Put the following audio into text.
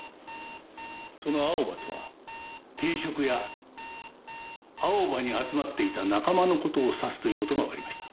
そのアオバとは定食屋青葉に集まっていた仲間の事を指すという事がわかりました。